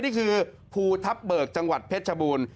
นี่คือภูทับเบิกจังหวัดเพชรชบูรณ์